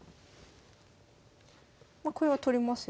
まこれは取りますよね。